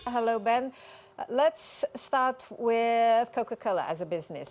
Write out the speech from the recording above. halo ben mari kita mulai dengan coca cola sebagai bisnis